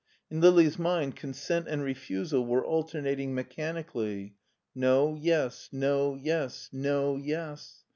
In Lili's mind consent and refusal were alternating mechanically. No, yes ; no, yes ; no, yes.